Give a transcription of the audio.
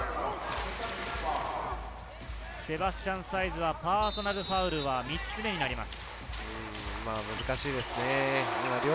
セバスチャン・サイズはパーソナルファウルは３つ目になります。